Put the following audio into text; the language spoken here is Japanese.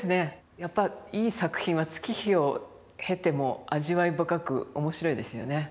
やっぱりいい作品は月日を経ても味わい深く面白いですよね。